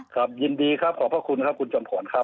ครับยินดีครับขอบพระคุณครับคุณจอมขวัญครับ